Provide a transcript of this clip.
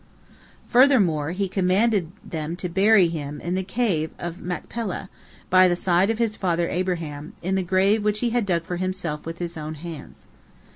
Furthermore he commanded them to bury him in the Cave of Machpelah, by the side of his father Abraham, in the grave which he had dug for himself with his own hands.